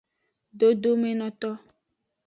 Dodomenoto.